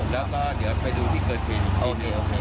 แล้วก็เดี๋ยวไปดูที่เกิดผิดอีกที